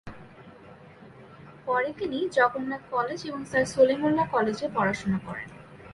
পরে তিনি জগন্নাথ কলেজ এবং স্যার সলিমুল্লাহ কলেজে পড়াশোনা করেন।